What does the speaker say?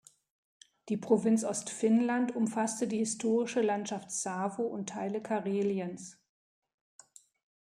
Die Provinz Ostfinnland umfasste die historische Landschaft Savo und Teile Kareliens.